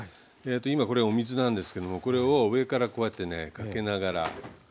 今これお水なんですけどもこれを上からこうやってねかけながら。